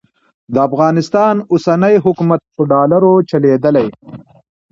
د افغانستان اوسنی حکومت په ډالرو چلېدلی.